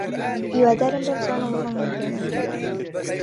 هیوادارم بەم زووانە وەڵامم بدەنەوە.